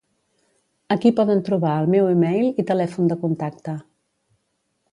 Aquí poden trobar el meu e-mail i telèfon de contacte